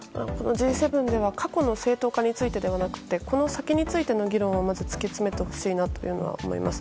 Ｇ７では過去の正当性ではなくてこの先についての議論を突き詰めてほしいと思います。